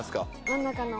真ん中の。